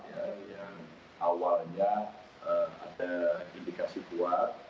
yang awalnya ada indikasi kuat